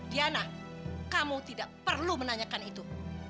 diana kamu tidak perlu menanyakan itu